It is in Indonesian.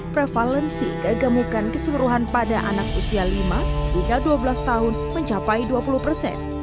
prevalensi kegemukan keseluruhan pada anak usia lima hingga dua belas tahun mencapai dua puluh persen